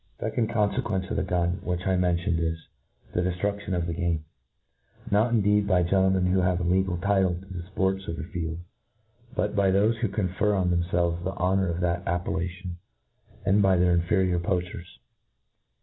The fecond confequence of the gun which^ I mentioned is, the deflruSion of the game j . not indeed by gentlemen who have a legal title ta the fports of tlie afield, but by thofe who confer on themfelves the honour of that appellation, and by inferior poachers.